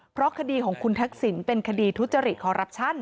เพราะคดีของคุณทักษิณเป็นคดีทุจริตคอรัปชั่น